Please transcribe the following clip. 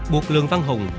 buộc lường văn hùng